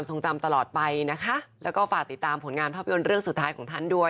บอกหม่อมว่าถ้าชาติหน้าผมมีจริง